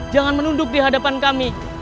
jangan menunduk di hadapan kami